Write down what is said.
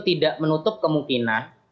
tidak menutup kemungkinan